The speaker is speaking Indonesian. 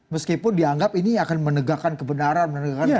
meskipun dianggap ini akan menegakkan kebenaran menegakkan